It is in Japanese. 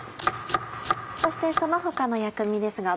そしてその他の薬味ですが。